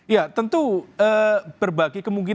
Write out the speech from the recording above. ya tentu berbagai kemungkinan